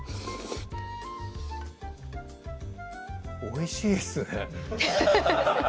おいしいですね